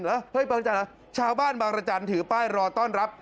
เฮ้ยบางจันทร์เหรอชาวบ้านบางรจันทร์ถือป้ายรอต้อนรับ